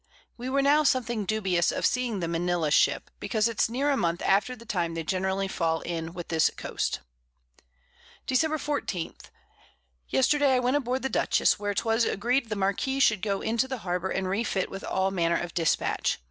We were now something dubious of seeing the Manila Ship, [Sidenote: Cruising off Cape St. Lucas.] because it's near a Month after the time they generally fall in with this Coast. Dec. 14. Yesterday I went aboard the Dutchess, where 'twas agreed the Marquiss should go into the Harbour and refit with all manner of Dispatch.